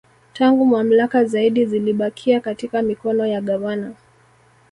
Tangu mamlaka zaidi zilibakia katika mikono ya Gavana